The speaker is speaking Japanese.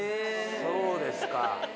そうですか。